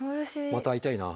また会いたいな。